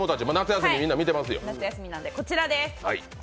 夏休みなんで、こちらです。